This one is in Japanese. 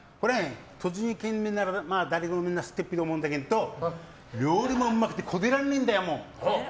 栃木県民なら誰でも知ってっと思うけど料理もうまくてこでらんねぇんだよ。